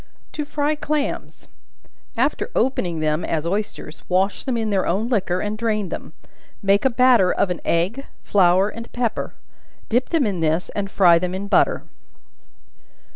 To Fry Clams. After opening them as oysters, wash them in their own liquor and drain then; make a batter of an egg, flour and pepper; dip them in this, and fry them in butter.